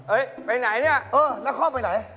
เอ๊ะไปไหนน่ะเออแล้วครอบไปไหน